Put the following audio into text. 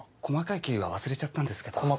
細かい経緯は忘れちゃったんですけど。